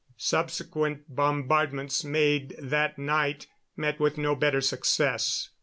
Subsequent bombardments made that night met with no better success.